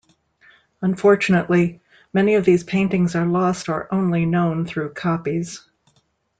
Unfortunately, many of these paintings are lost or only known through copies.